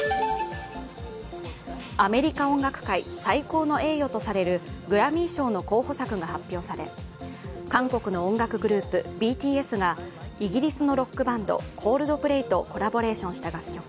アメリカ音楽界最高の栄誉とされるグラミー賞の候補作が発表され、韓国の音楽グループ、ＢＴＳがイギリスのロックバンドＣｏｌｄｐｌａｙとコラボレーションした楽曲、